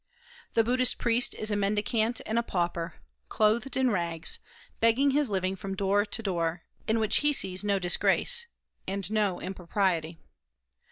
The Buddhist priest is a mendicant and a pauper, clothed in rags, begging his living from door to door, in which he sees no disgrace and no impropriety.